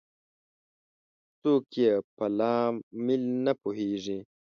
څوک یې په لامل نه پوهیږي